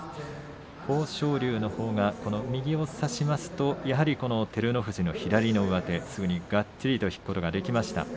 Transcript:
豊昇龍、右を差しますとやはり照ノ富士の左の上手がっちりと引くことができました。